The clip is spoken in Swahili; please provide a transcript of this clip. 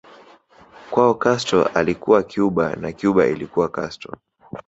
Kwao Castro alikuwa Cuba na Cuba ilikuwa Castro